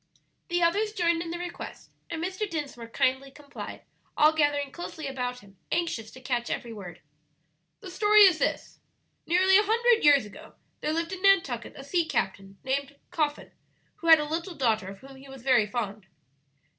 The others joined in the request, and Mr. Dinsmore kindly complied, all gathering closely about him, anxious to catch every word. "The story is this: Nearly a hundred years ago there lived in Nantucket a sea captain named Coffin, who had a little daughter of whom he was very fond."